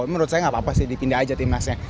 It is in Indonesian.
menurut saya nggak apa apa sih dipindah aja timnasnya